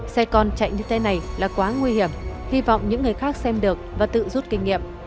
xe con chạy như thế này là quá nguy hiểm hy vọng những người khác xem được và tự rút kinh nghiệm